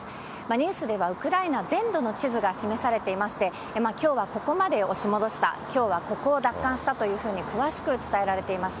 ニュースではウクライナ全土の地図が示されていまして、きょうはここまで押し戻した、きょうはここを奪還したというふうに、詳しく伝えられています。